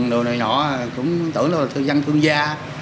đồ này nọ cũng tưởng nó là thương gia